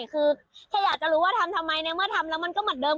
คือแค่อยากจะรู้ว่าทำทำไมในเมื่อทำแล้วมันก็เหมือนเดิม